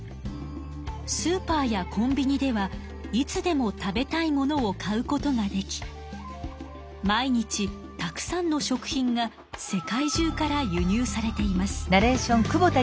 スーパーやコンビニではいつでも食べたいものを買うことができ毎日たくさんの食品が世界中から輸入されています。